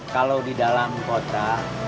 kalau di dalam kota